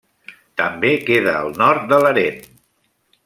També queda al nord de Larén.